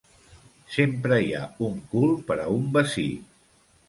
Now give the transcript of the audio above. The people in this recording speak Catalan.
Sempre hi ha un cul per a un bací.